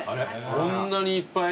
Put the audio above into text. こんなにいっぱい